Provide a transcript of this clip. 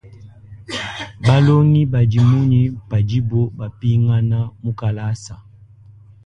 Balongi badi munyi padibo bapingana mu kalasa?